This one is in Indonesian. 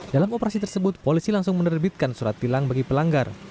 dalam operasi tersebut polisi langsung menerbitkan surat tilang bagi pelanggar